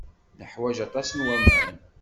Neḥwaj aṭas n waman.